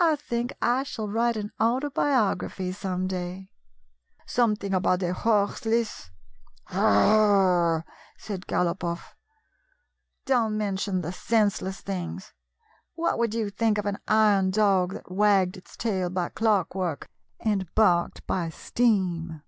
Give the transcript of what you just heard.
I think I shall write an autobiography some day." " Something about a horseless —" 83 GYPSY, THE TALKING DOG "G r r rli !" said Galopoff. " Don't mention the senseless things ! What would you think of an iron dog that wagged its tail by clockwork and barked by stem